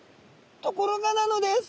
ところがなのです！